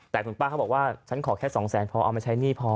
แต่คุณป้าเขาบอกว่าฉันขอแค่สองแสนพอเอามาใช้หนี้พอ